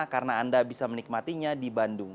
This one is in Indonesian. karena anda bisa menikmatinya di bandung